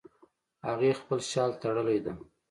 هغې خپل شال تړلی ده